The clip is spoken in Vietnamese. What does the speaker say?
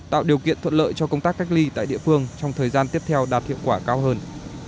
tạo điều kiện thuận lợi cho công tác cách ly tại địa phương trong thời gian tiếp theo đạt hiệu quả cao hơn